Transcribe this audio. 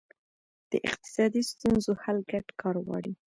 د اقتصادي ستونزو حل ګډ کار غواړي.